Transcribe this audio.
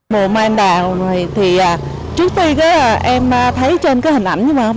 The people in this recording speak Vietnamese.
mùa mai anh đào này thì trước tiên em thấy trên cái hình ảnh